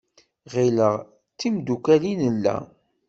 Ɣileɣ d timddukal i nella.